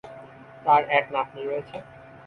তার এক নাতনি রয়েছে।